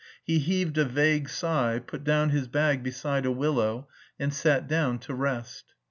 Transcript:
He heaved a vague sigh, put down his bag beside a willow, and sat down to rest.